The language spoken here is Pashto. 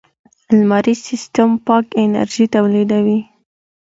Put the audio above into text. لمریز سیستم پاک انرژي تولیدوي.